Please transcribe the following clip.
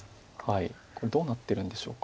これどうなってるんでしょうか。